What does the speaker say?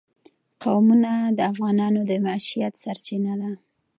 قومونه د افغانانو د معیشت سرچینه ده.